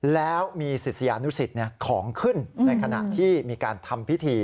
แล้วมีศิษยานุสิตของขึ้นในขณะที่มีการทำพิธี